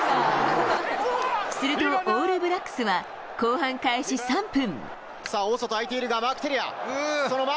するとオールブラックスは後半開始３分。